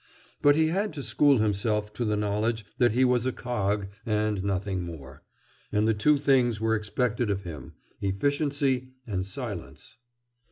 But he had to school himself to the knowledge that he was a cog, and nothing more. And two things were expected of him, efficiency and silence.